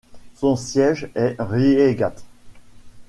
Son siège est Ryegate.